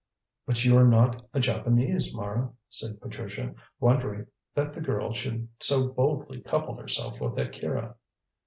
"But you are not a Japanese, Mara," said Patricia, wondering that the girl should so boldly couple herself with Akira.